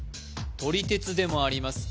撮り鉄でもあります